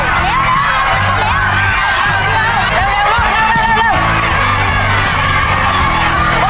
เราจะไป